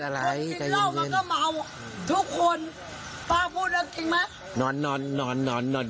อะไรเล่ามันก็เมาทุกคนป้าพูดแล้วจริงไหมนอนนอนนอน